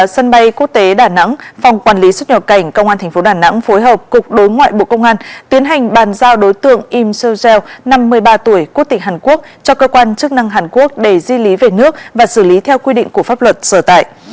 sân bay quốc tế đà nẵng phòng quản lý xuất nhập cảnh công an tp đà nẵng phối hợp cục đối ngoại bộ công an tiến hành bàn giao đối tượng im seo seo năm mươi ba tuổi quốc tịch hàn quốc cho cơ quan chức năng hàn quốc để di lý về nước và xử lý theo quy định của pháp luật sở tại